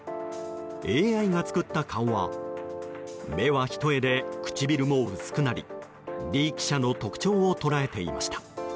ＡＩが作った顔は目は一重で唇も薄くなり李記者の特徴を捉えていました。